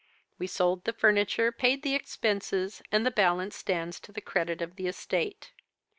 We sold the furniture, paid the expenses, and the balance stands to the credit of the estate.